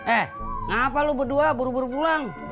eh ngapas lu berdua baru baru pulang